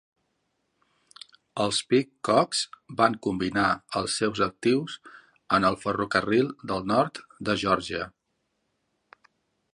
Els Pidcocks van combinar els seus actius en el Ferrocarril del Nord de Geòrgia.